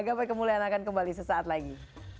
gapai kemuliaan akan kembali sesaat lagi